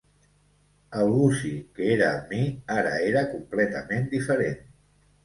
El Gussie que era amb mi ara era completament diferent.